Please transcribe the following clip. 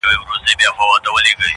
• بل څوک خو بې خوښ سوی نه وي.